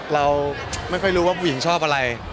เราไม่ค่อยรู้ว่าผู้หญิงชอบอะไร